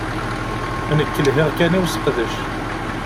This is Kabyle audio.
Nekk lhiɣ kan i useqdec!